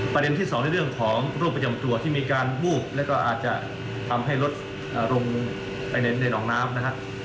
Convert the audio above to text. ประเด็นที่สองในเรื่องของโรคประจำตัวที่มีการวูบแล้วก็อาจจะทำให้ลดลงไปในหนองน้ำนะครับ